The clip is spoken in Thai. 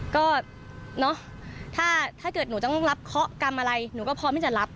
ก็เนอะถ้าเกิดหนูต้องรับเคาะกรรมอะไรหนูก็พร้อมที่จะรับ